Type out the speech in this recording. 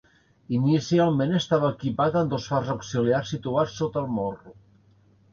Inicialment estava equipat amb dos fars auxiliars situats sota el morro.